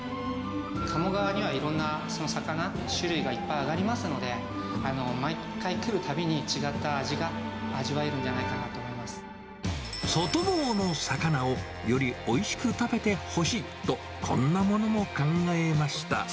鴨川には、いろんな魚、種類がいっぱい上がりますので、毎回来るたびに違った味が味わえ外房の魚を、よりおいしく食べてほしいと、こんなものも考えました。